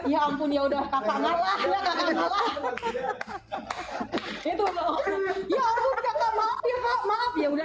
ya ampun ya udah kakak malah ya kakak malah itu ya ampun kakak maaf ya kakak maaf ya udah